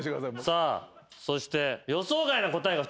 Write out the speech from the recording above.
さあそして。